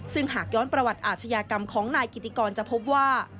ซึ่งหากย้อนประวัติอาชญากรรมของนายกิติกรจะพบว่า